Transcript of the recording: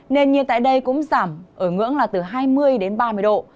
nền nhiệt tại đây cũng giảm ở ngưỡng là từ hai mươi đến ba mươi độ